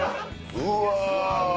うわ！